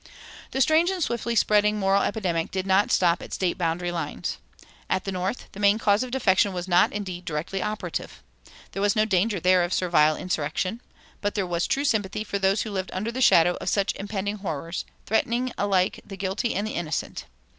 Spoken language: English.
The strange and swiftly spreading moral epidemic did not stop at State boundary lines. At the North the main cause of defection was not, indeed, directly operative. There was no danger there of servile insurrection. But there was true sympathy for those who lived under the shadow of such impending horrors, threatening alike the guilty and the innocent.